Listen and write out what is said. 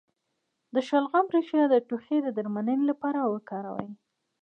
د شلغم ریښه د ټوخي د درملنې لپاره وکاروئ